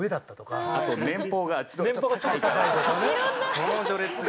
その序列が。